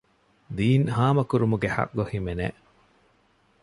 ދީން ހާމަކުރުމުގެ ޙައްޤު ހިމެނޭ